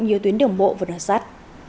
nhiều tuyến đường bộ vừa đoạt sắt